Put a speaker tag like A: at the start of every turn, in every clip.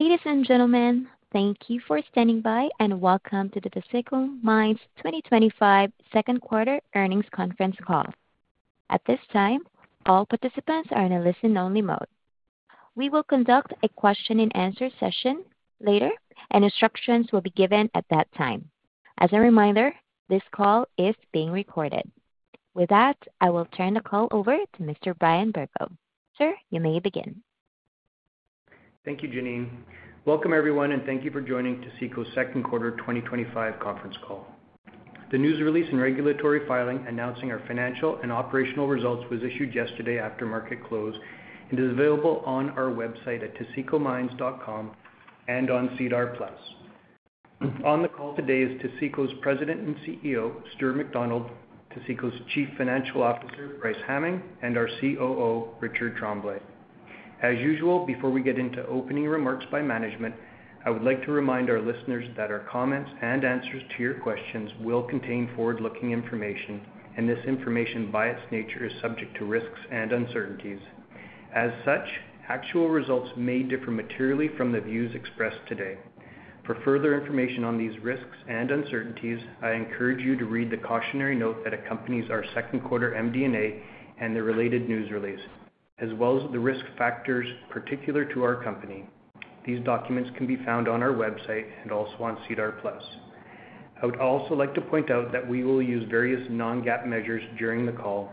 A: Ladies and gentlemen, thank you for standing by and welcome to the Taseko Mines 2025 Second Quarter Earnings Conference Call. At this time, all participants are in a listen-only mode. We will conduct a question-and-answer session later, and instructions will be given at that time. As a reminder, this call is being recorded. With that, I will turn the call over to Mr. Brian Bergot. Sir, you may begin.
B: Thank you, Janine. Welcome, everyone, and thank you for joining Taseko's Second Quarter 2025 Conference Call. The news release and regulatory filing announcing our financial and operational results was issued yesterday after market close and is available on our website at tasekomines.com and on SEDAR+. On the call today is Taseko's President and CEO, Stuart McDonald, Taseko's Chief Financial Officer, Bryce Hamming, and our Chief Operating Officer, Richard Tremblay. As usual, before we get into opening remarks by management, I would like to remind our listeners that our comments and answers to your questions will contain forward-looking information, and this information, by its nature, is subject to risks and uncertainties. As such, actual results may differ materially from the views expressed today. For further information on these risks and uncertainties, I encourage you to read the cautionary note that accompanies our second quarter MD&A and the related news release, as well as the risk factors particular to our company. These documents can be found on our website and also on SEDAR+. I would also like to point out that we will use various non-GAAP measures during the call.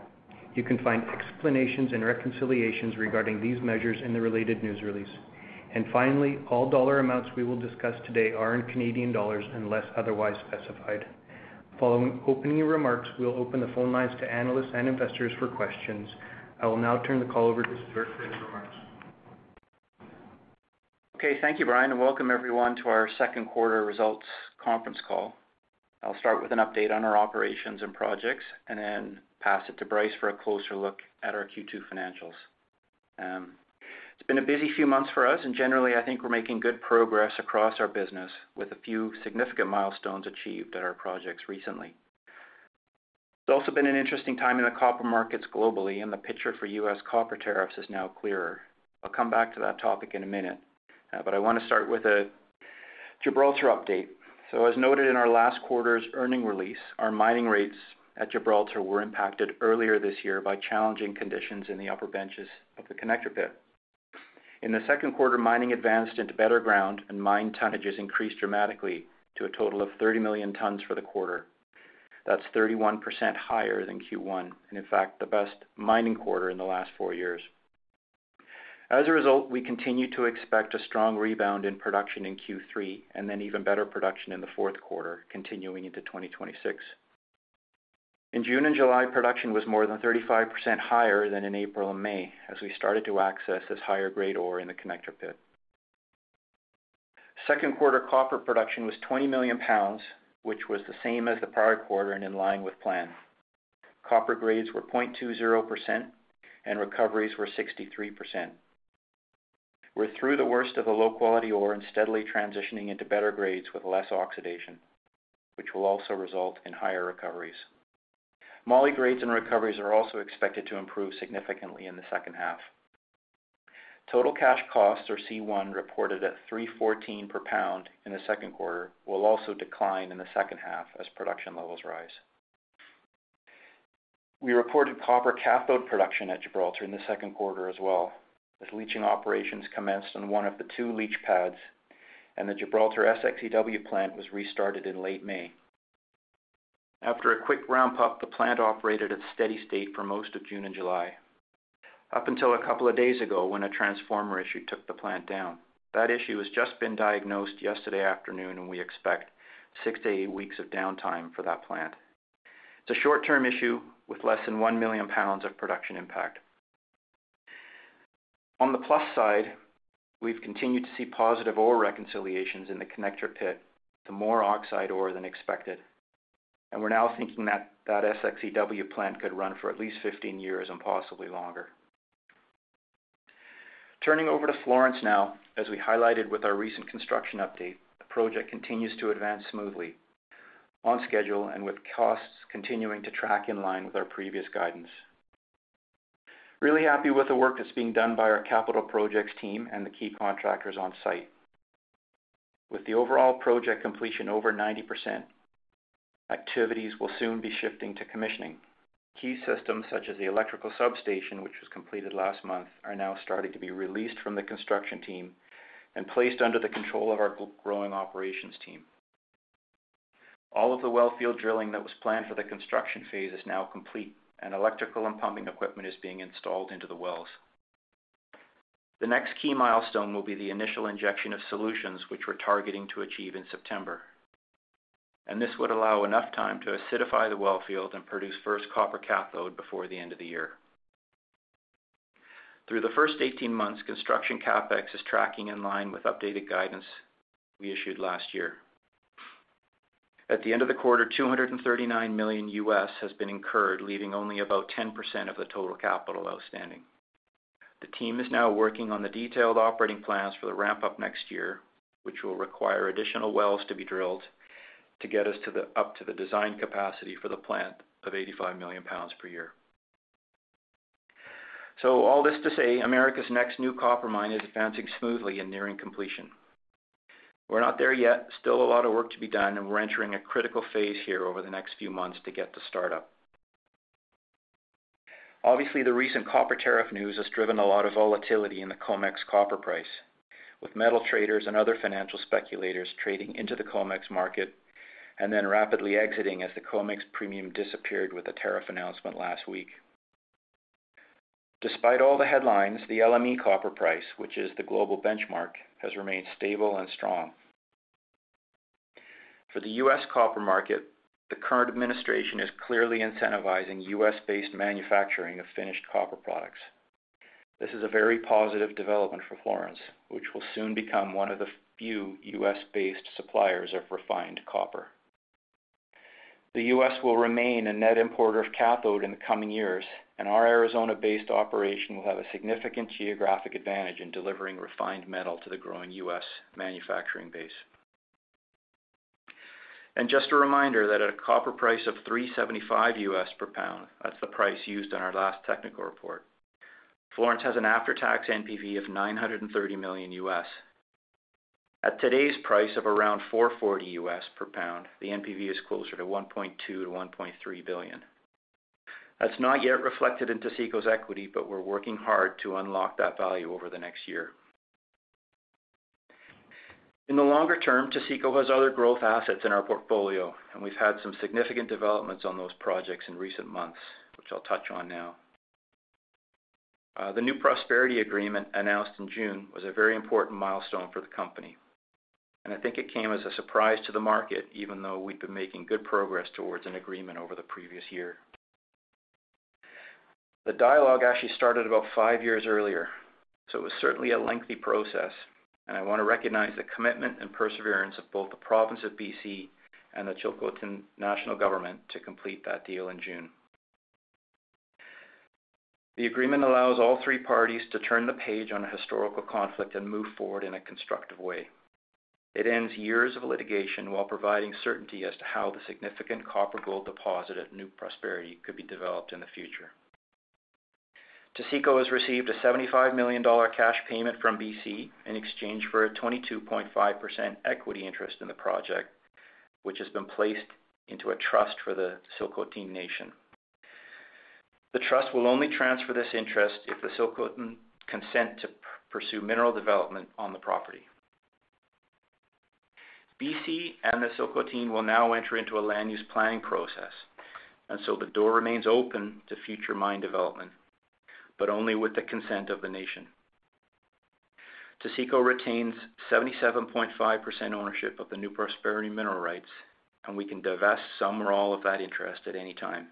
B: You can find explanations and reconciliations regarding these measures in the related news release. Finally, all dollar amounts we will discuss today are in Canadian dollars unless otherwise specified. Following opening remarks, we'll open the phone lines to analysts and investors for questions. I will now turn the call over to Stuart for his remarks.
C: Thank you, Brian, and welcome, everyone, to our second quarter results conference call. I'll start with an update on our operations and projects and then pass it to Bryce for a closer look at our Q2 financials. It's been a busy few months for us, and generally, I think we're making good progress across our business with a few significant milestones achieved at our projects recently. It's also been an interesting time in the copper markets globally, and the picture for U.S. copper tariffs is now clearer. I'll come back to that topic in a minute, but I want to start with a Gibraltar update. As noted in our last quarter's earnings release, our mining rates at Gibraltar were impacted earlier this year by challenging conditions in the upper benches of the Connector Pit. In the second quarter, mining advanced into better ground, and mined tonnages increased dramatically to a total of 30 million tons for the quarter. That's 31% higher than Q1, and in fact, the best mining quarter in the last four years. As a result, we continue to expect a strong rebound in production in Q3, and then even better production in the fourth quarter, continuing into 2026. In June and July, production was more than 35% higher than in April and May, as we started to access this higher grade ore in the connector pit. Second quarter copper production was 20 million lbs, which was the same as the prior quarter and in line with plan. Copper grades were 0.20%, and recoveries were 63%. We're through the worst of the low-quality ore and steadily transitioning into better grades with less oxidation, which will also result in higher recoveries. Moly grades and recoveries are also expected to improve significantly in the second half. Total cash costs or C1 reported at 3.14 per pound in the second quarter will also decline in the second half as production levels rise. We reported copper cathode production at Gibraltar in the second quarter as well, with leaching operations commenced on one of the two leach pads, and the Gibraltar SXEW plant was restarted in late May. After a quick ramp-up, the plant operated at a steady state for most of June and July, up until a couple of days ago when a transformer issue took the plant down. That issue has just been diagnosed yesterday afternoon, and we expect six to eight weeks of downtime for that plant. It's a short-term issue with less than 1 million lbs of production impact. On the plus side, we've continued to see positive ore reconciliations in the connector pit, with more oxide ore than expected, and we're now thinking that that SXEW plant could run for at least 15 years and possibly longer. Turning over to Florence now, as we highlighted with our recent construction update, the project continues to advance smoothly, on schedule, and with costs continuing to track in line with our previous guidance. Really happy with the work that's being done by our capital projects team and the key contractors on site. With the overall project completion over 90%, activities will soon be shifting to commissioning. Key systems, such as the electrical substation, which was completed last month, are now starting to be released from the construction team and placed under the control of our growing operations team. All of the wellfield drilling that was planned for the construction phase is now complete, and electrical and pumping equipment is being installed into the wells. The next key milestone will be the initial injection of solutions, which we're targeting to achieve in September, and this would allow enough time to acidify the wellfield and produce first copper cathode before the end of the year. Through the first 18 months, construction CapEx is tracking in line with updated guidance we issued last year. At the end of the quarter, $239 million has been incurred, leaving only about 10% of the total capital outstanding. The team is now working on the detailed operating plans for the ramp-up next year, which will require additional wells to be drilled to get us up to the design capacity for the plant of 85 million lbs per year. All this to say, America's next new copper mine is advancing smoothly and nearing completion. We're not there yet, still a lot of work to be done, and we're entering a critical phase here over the next few months to get the startup. Obviously, the recent copper tariff news has driven a lot of volatility in the COMEX copper price, with metal traders and other financial speculators trading into the COMEX market and then rapidly exiting as the COMEX premium disappeared with the tariff announcement last week. Despite all the headlines, the LME copper price, which is the global benchmark, has remained stable and strong. For the U.S. copper market, the current administration is clearly incentivizing U.S.-based manufacturing of finished copper products. This is a very positive development for Florence, which will soon become one of the few U.S.-based suppliers of refined copper. The U.S. will remain a net importer of cathode in the coming years, and our Arizona-based operation will have a significant geographic advantage in delivering refined metal to the growing U.S. manufacturing base. Just a reminder that at a copper price of $3.75 per pound, that's the price used in our last technical report, Florence has an after-tax NPV of $930 million. At today's price of around $4.40 per pound, the NPV is closer to 1.2 billion- to 1.3 billion. That's not yet reflected in Taseko's equity, but we're working hard to unlock that value over the next year. In the longer term, Taseko has other growth assets in our portfolio, and we've had some significant developments on those projects in recent months, which I'll touch on now. The New Prosperity Agreement announced in June was a very important milestone for the company, and I think it came as a surprise to the market, even though we'd been making good progress towards an agreement over the previous year. The dialogue actually started about five years earlier, so it was certainly a lengthy process, and I want to recognize the commitment and perseverance of both the province of B.C. and the Tsilhqot’in Nation to complete that deal in June. The agreement allows all three parties to turn the page on a historical conflict and move forward in a constructive way. It ends years of litigation while providing certainty as to how the significant copper gold deposit at New Prosperity could be developed in the future. Taseko has received a 75 million dollar cash payment from the B.C. government in exchange for a 22.5% equity interest in the project, which has been placed into a trust for the Tsilhqot’in Nation. The trust will only transfer this interest if the Tsilhqot’in consent to pursue mineral development on the property. B.C. and the Tsilhqot’in will now enter into a land use planning process, and the door remains open to future mine development, but only with the consent of the Nation. Taseko retains 77.5% ownership of the New Prosperity mineral rights, and we can divest some or all of that interest at any time.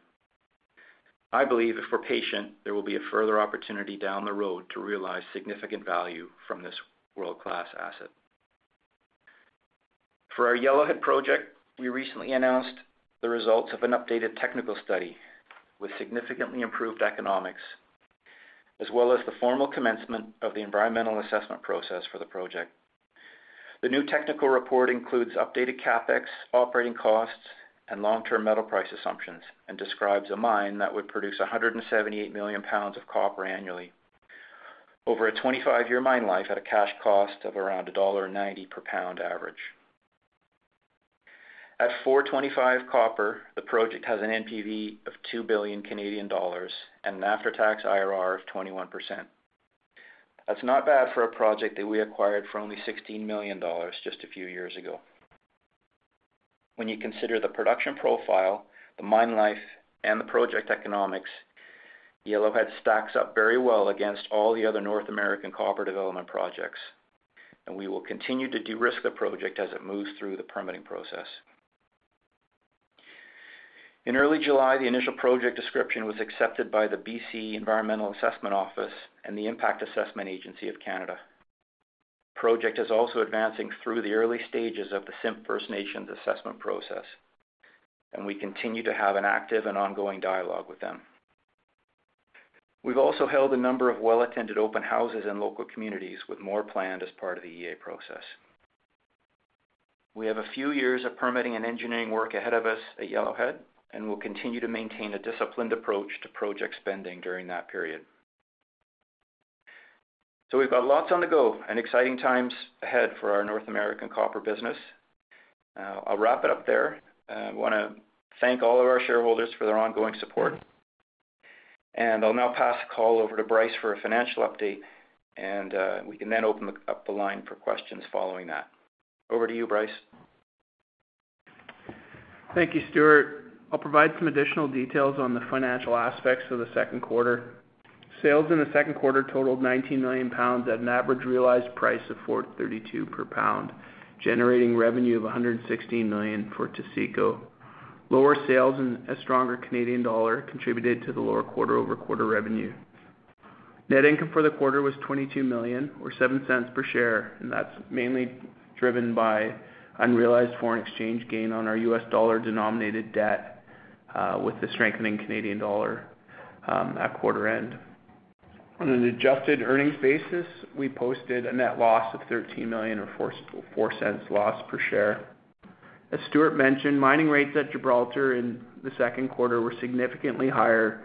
C: I believe if we're patient, there will be a further opportunity down the road to realize significant value from this world-class asset. For our Yellowhead Project, we recently announced the results of an updated technical study with significantly improved economics, as well as the formal commencement of the environmental assessment process for the project. The new technical report includes updated CapEx, operating costs, and long-term metal price assumptions, and describes a mine that would produce 178 million lbs of copper annually, over a 25-year mine life at a cash cost of around dollar 1.90 per pound average. At 4.25 copper, the project has an NPV of 2 billion Canadian dollars and an after-tax IRR of 21%. That's not bad for a project that we acquired for only 16 million dollars just a few years ago. When you consider the production profile, the mine life, and the project economics, Yellowhead stacks up very well against all the other North American copper development projects, and we will continue to de-risk the project as it moves through the permitting process. In early July, the initial project description was accepted by the B.C. Environmental Assessment Office and the Impact Assessment Agency of Canada. The project is also advancing through the early stages of the CIMP First Nations Assessment process, and we continue to have an active and ongoing dialogue with them. We've also held a number of well-attended open houses in local communities, with more planned as part of the EA process. We have a few years of permitting and engineering work ahead of us at Yellowhead, and we'll continue to maintain a disciplined approach to project spending during that period. We have lots on the go and exciting times ahead for our North American copper business. I'll wrap it up there. I want to thank all of our shareholders for their ongoing support, and I'll now pass the call over to Bryce for a financial update, and we can then open up the line for questions following that. Over to you, Bryce.
D: Thank you, Stuart. I'll provide some additional details on the financial aspects of the second quarter. Sales in the second quarter totaled 19 million lbs at an average realized price of 4.32 per pound, generating revenue of 116 million for Taseko. Lower sales and a stronger Canadian dollar contributed to the lower quarter-over-quarter revenue. Net income for the quarter was 22 million or 0.07 per share, and that's mainly driven by unrealized foreign exchange gain on our U.S. dollar-denominated debt, with the strengthening Canadian dollar, at quarter end. On an adjusted earnings basis, we posted a net loss of 13 million or 0.04 loss per share. As Stuart mentioned, mining rates at Gibraltar in the second quarter were significantly higher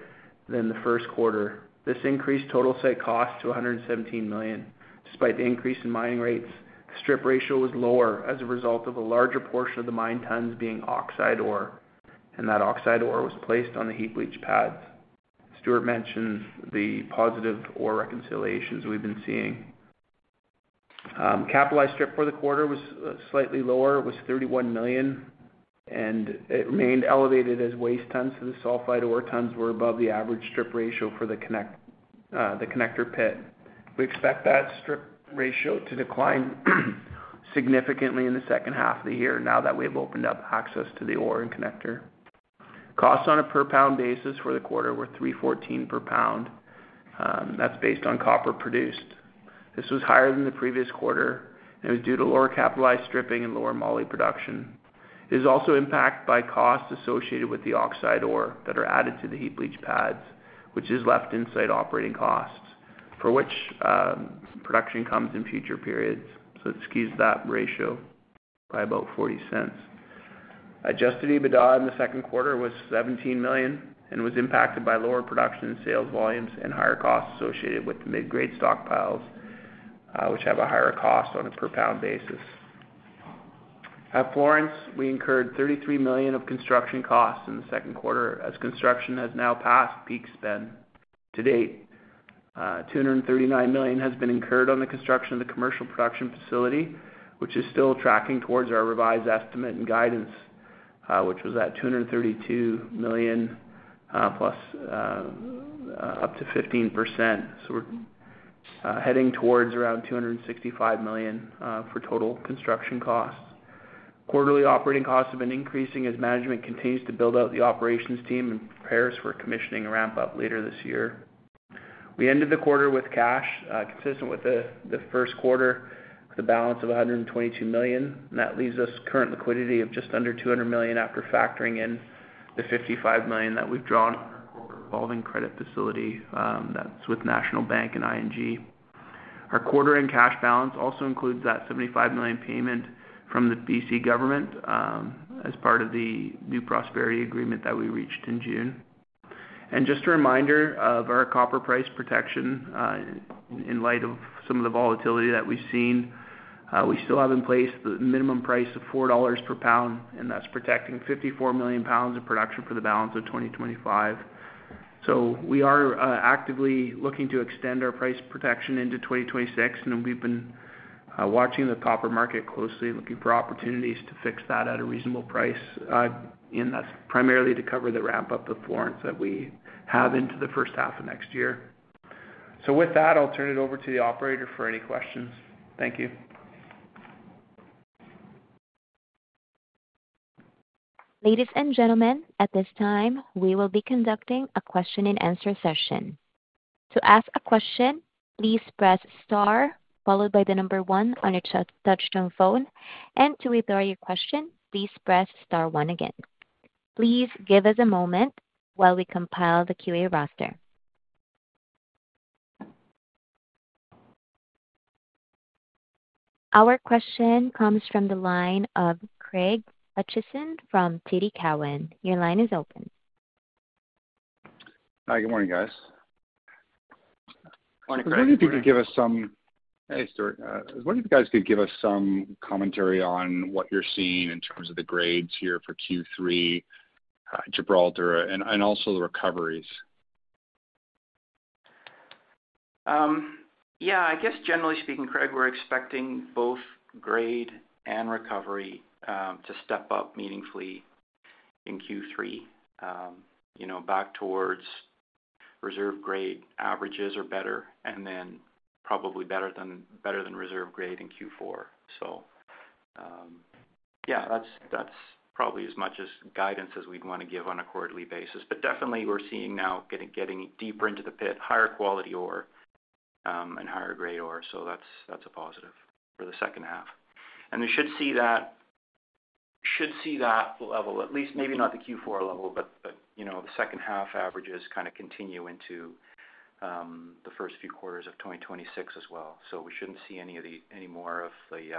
D: than the first quarter. This increased total site cost to 117 million. Despite the increase in mining rates, the strip ratio was lower as a result of a larger portion of the mined tons being oxide ore, and that oxide ore was placed on the heap leach pads. Stuart mentioned the positive ore reconciliations we've been seeing. Capitalized strip for the quarter was slightly lower. It was 31 million, and it remained elevated as waste tons to the sulfide ore tons were above the average strip ratio for the connector pit. We expect that strip ratio to decline significantly in the second half of the year now that we've opened up access to the ore and connector. Costs on a per pound basis for the quarter were 3.14 per pound. That's based on copper produced. This was higher than the previous quarter, and it was due to lower capitalized stripping and lower moly production. It is also impacted by costs associated with the oxide ore that are added to the heap leach pads, which is left inside operating costs for which production comes in future periods. It skews that ratio by about 0.40. Adjusted EBITDA in the second quarter was 17 million and was impacted by lower production sales volumes and higher costs associated with the mid-grade stockpiles, which have a higher cost on a per pound basis. At Florence, we incurred 33 million of construction costs in the second quarter as construction has now passed peak spend to date. 239 million has been incurred on the construction of the commercial production facility, which is still tracking towards our revised estimate and guidance, which was at 232 million, plus up to 15%. We're heading towards around 265 million for total construction costs. Quarterly operating costs have been increasing as management continues to build out the operations team and prepares for commissioning and ramp-up later this year. We ended the quarter with cash, consistent with the first quarter, the balance of 122 million, and that leaves us current liquidity of just under 200 million after factoring in the 55 million that we've drawn for a revolving credit facility that's with National Bank and ING. Our quarter-end cash balance also includes that 75 million payment from the B.C. government as part of the New Prosperity Agreement that we reached in June. Just a reminder of our copper price protection in light of some of the volatility that we've seen. We still have in place the minimum price of 4 dollars per pound, and that's protecting 54 million pounds of production for the balance of 2025. We are actively looking to extend our price protection into 2026, and we've been watching the copper market closely and looking for opportunities to fix that at a reasonable price, and that's primarily to cover the ramp-up of Florence that we have into the first half of next year. With that, I'll turn it over to the operator for any questions. Thank you.
A: Ladies and gentlemen, at this time, we will be conducting a question-and-answer session. To ask a question, please press star followed by the number one on your touch-tone phone, and to withdraw your question, please press star one again. Please give us a moment while we compile the Q&A roster. Our question comes from the line of Craig Hutchison from TD Cowen. Your line is open.
E: Hi, good morning, guys.
C: Morning, Craig.
E: I was wondering if you could give us some, hey, Stuart, I was wondering if you guys could give us some commentary on what you're seeing in terms of the grades here for Q3, Gibraltar, and also the recoveries.
C: Yeah, I guess generally speaking, Craig, we're expecting both grade and recovery to step up meaningfully in Q3. Back towards reserve grade averages or better, and then probably better than reserve grade in Q4. That's probably as much as guidance as we'd want to give on a quarterly basis, but definitely we're seeing now getting deeper into the pit, higher quality ore, and higher grade ore, so that's a positive for the second half. We should see that level, at least maybe not the Q4 level, but the second half averages kind of continue into the first few quarters of 2026 as well. We shouldn't see any more of the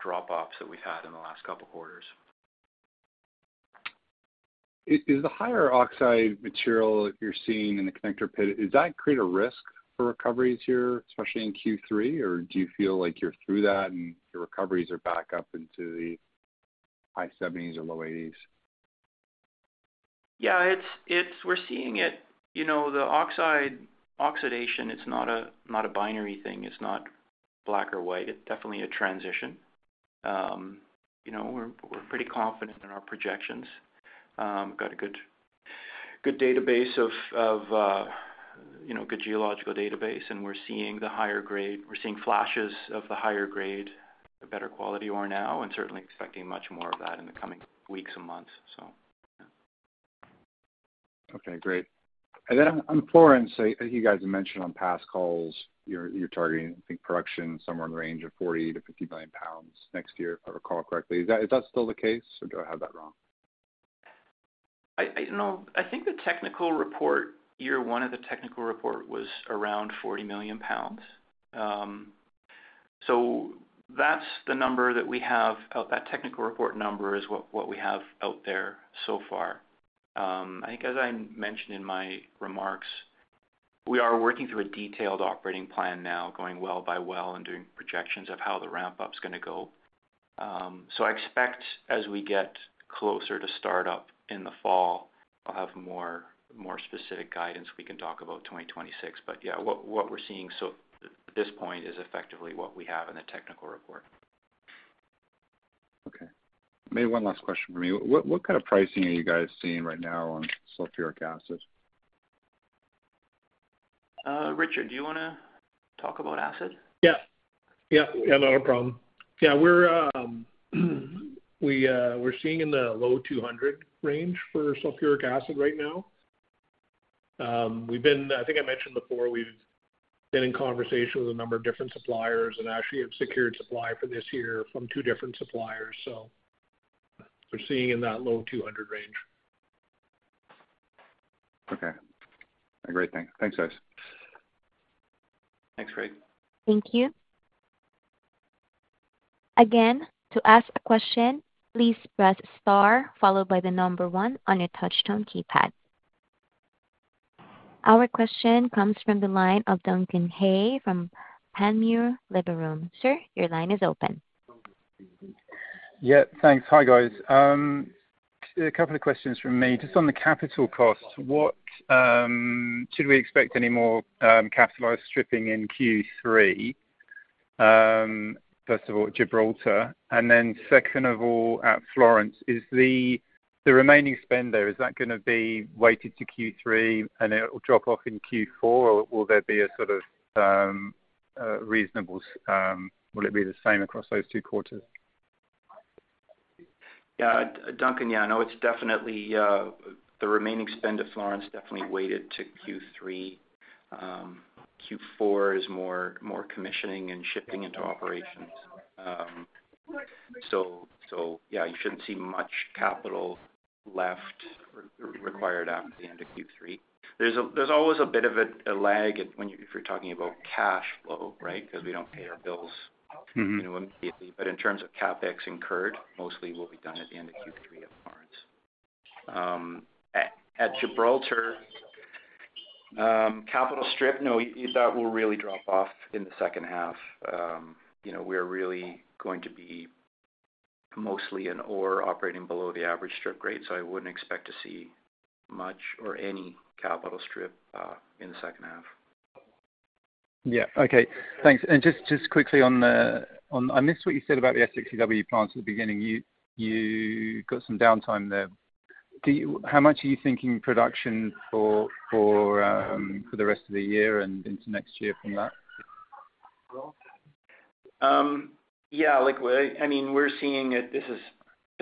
C: drop-offs that we've had in the last couple quarters.
E: Is the higher oxide material that you're seeing in the Connector Pit, does that create a risk for recoveries here, especially in Q3, or do you feel like you're through that and your recoveries are back up into the high 70% or low 80%?
C: Yeah, we're seeing it. The oxide oxidation, it's not a binary thing. It's not black or white. It's definitely a transition. We're pretty confident in our projections. We've got a good geological database, and we're seeing the higher grade, we're seeing flashes of the higher grade, a better quality ore now, and certainly expecting much more of that in the coming weeks and months.
E: Okay, great. On Florence, I think you guys have mentioned on past calls you're targeting, I think, production somewhere in the range of 40 million lbs-50 million lbs next year, if I recall correctly. Is that still the case, or do I have that wrong?
C: No, I think the technical report, year one of the technical report was around 40 million lbs. That's the number that we have. That technical report number is what we have out there so far. I think, as I mentioned in my remarks, we are working through a detailed operating plan now, going well by well, and doing projections of how the ramp-up is going to go. I expect as we get closer to startup in the fall, I'll have more specific guidance we can talk about for 2026. What we're seeing at this point is effectively what we have in the technical report.
E: Okay. Maybe one last question for me. What kind of pricing are you guys seeing right now on sulfuric acid?
C: Richard, do you want to talk about acid?
F: Yeah, not a problem. Yeah, we're seeing in the low 200 range for sulfuric acid right now. We've been, I think I mentioned before, in conversation with a number of different suppliers and actually have secured supply for this year from two different suppliers. We're seeing in that low 200 range.
E: Okay. Great, thanks, guys.
C: Thanks, Craig.
A: Thank you. Again, to ask a question, please press star followed by the number one on your touch-tone keypad. Our question comes from the line of Duncan Hay from Panmure Liberum. Sir, your line is open.
G: Yeah, thanks. Hi guys. A couple of questions from me. Just on the capital costs, what should we expect any more capitalized stripping in Q3? First of all, Gibraltar, and then second of all at Florence, is the remaining spend there, is that going to be weighted to Q3 and it'll drop off in Q4, or will there be a sort of reasonable, will it be the same across those two quarters?
C: Yeah, Duncan, yeah, no, it's definitely the remaining spend at Florence definitely weighted to Q3. Q4 is more commissioning and shipping into operations. You shouldn't see much capital left or required after the end of Q3. There's always a bit of a lag if you're talking about cash flow, right, because we don't pay our bills immediately. In terms of CapEx incurred, mostly will be done at the end of Q3 at Florence. At Gibraltar, capital strip, no, that will really drop off in the second half. We're really going to be mostly in ore operating below the average strip rate, so I wouldn't expect to see much or any capital strip in the second half.
G: Okay, thanks. Just quickly on the, I missed what you said about the SXEW plant at the beginning. You got some downtime there. How much are you thinking production for the rest of the year and into next year from that?
C: Yeah, like I mean, we're seeing it, this is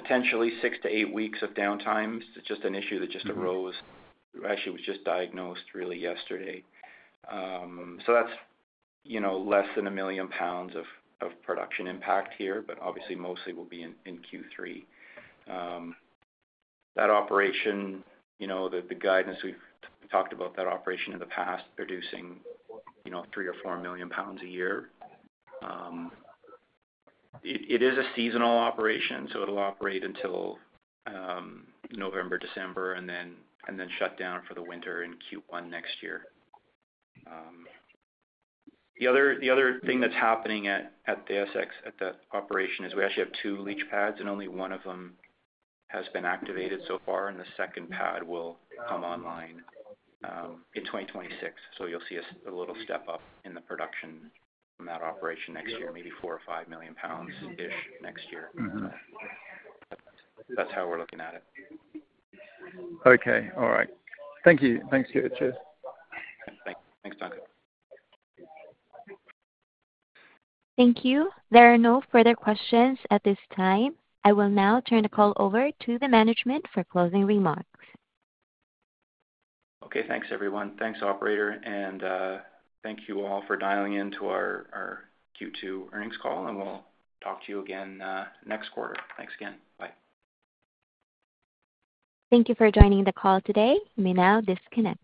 C: potentially six to eight weeks of downtime. It's just an issue that just arose. It actually was just diagnosed really yesterday. That's, you know, less than a million pounds of production impact here, but obviously mostly will be in Q3. That operation, you know, the guidance we've talked about that operation in the past producing, you know, three or four million pounds a year. It is a seasonal operation, so it'll operate until November, December, and then shut down for the winter in Q1 next year. The other thing that's happening at the SXEW operation is we actually have two leach pads and only one of them has been activated so far, and the second pad will come online in 2026. You'll see a little step up in the production from that operation next year, maybe four or five million pounds-ish next year. That's how we're looking at it.
G: Okay, all right. Thank you. Thanks, Stuart. Cheers.
C: Thanks, Duncan.
A: Thank you. There are no further questions at this time. I will now turn the call over to the management for closing remarks.
C: Okay, thanks everyone. Thanks, operator, and thank you all for dialing into our Q2 Earnings Call, and we'll talk to you again next quarter. Thanks again. Bye.
A: Thank you for joining the call today. You may now disconnect.